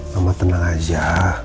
mama tenang aja